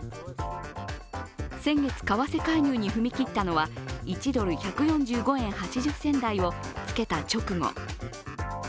先月為替介入に踏み切ったのは１ドル＝１４５円８０銭台をつけた直後。